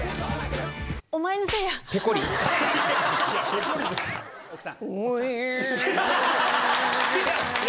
お前のせいや！